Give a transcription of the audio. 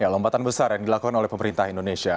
lompatan besar yang dilakukan oleh pemerintah indonesia